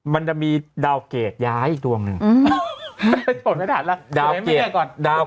มันจะมีดาวเกรดย้ายอีกดวงนึงมันเป็นสภาษาแล้ว